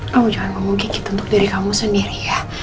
kamu jangan ngomong gigit untuk diri kamu sendiri ya